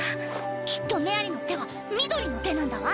きっとメアリの手は緑の手なんだわ。